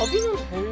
へえ。